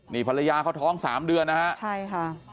นี่ภรรยาเขาท้อง๓เดือนนะฮะใช่ค่ะ